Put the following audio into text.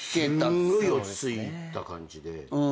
すんごい落ち着いた感じで。